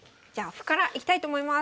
歩からいきたいと思います。